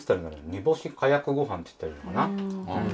煮干し加薬ご飯っつったらいいのかな。